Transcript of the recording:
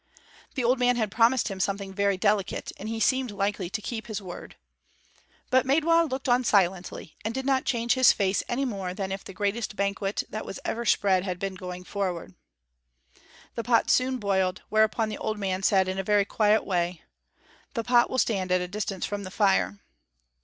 The old man had promised him something very delicate, and he seemed likely to keep his word. But Maidwa looked on silently, and did not change his face any more than if the greatest banquet that was ever spread had been going forward. The pot soon boiled, whereupon the old man said in a very quiet way: "The pot will stand at a distance from the fire."